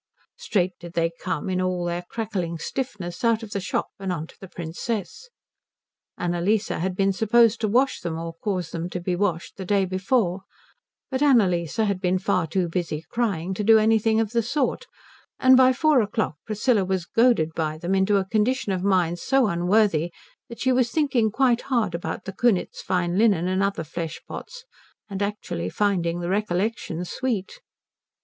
Straight did they come, in all their crackling stiffness, out of the shop and on to the Princess. Annalise had been supposed to wash them or cause them to be washed the day before, but Annalise had been far too busy crying to do anything of the sort; and by four o'clock Priscilla was goaded by them into a condition of mind so unworthy that she was thinking quite hard about the Kunitz fine linen and other flesh pots and actually finding the recollection sweet.